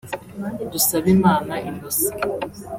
Dusabimana Innocent